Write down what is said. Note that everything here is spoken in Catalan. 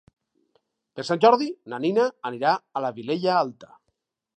Per Sant Jordi na Nina anirà a la Vilella Alta.